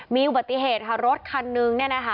มีอุบัติเหตุค่ะรถคันหนึ่ง